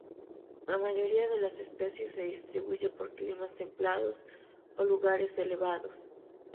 La mayoría de las especies se distribuye por climas templados o lugares elevados.